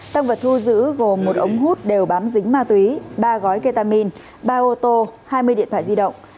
tăng vật thu giữ gồm một ống hút đều bám dính ma túy ba gói ketamine ba ô tô hai mươi điện thoại di động